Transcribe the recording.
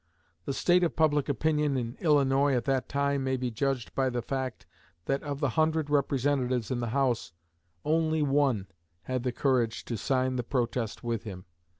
The state of public opinion in Illinois at that time may be judged by the fact that of the hundred Representatives in the House only one had the courage to sign the protest with him.